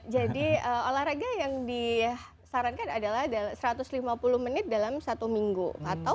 jadi olahraga yang disarankan adalah satu ratus lima puluh menit dalam satu minggu atau tiga puluh menit dari lima sampai tujuh kali seminggu gitu